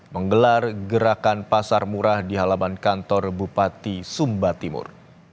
menggelar gerakan pasar murah di halaman kantor bupati sumba timur